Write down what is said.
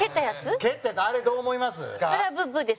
蛍原：あれ、どう思います？